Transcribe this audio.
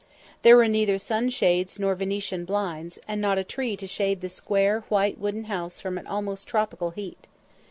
There were neither sunshades nor Venetian blinds, and not a tree to shade the square white wooden house from an almost tropical heat.